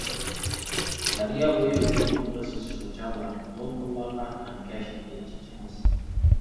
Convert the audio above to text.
دەريا بويى. ئۇنتۇلغۇسىز شۇ چاغلار، دولقۇنلارغا تەڭكەش ئىدى چېچىڭىز.